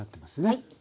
はい。